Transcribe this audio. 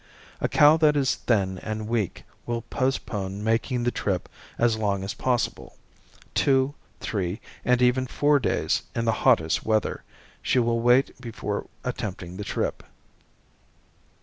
A cow that is thin and weak will postpone making the trip as long as possible two, three and even four days in the hottest weather she will wait before attempting the trip.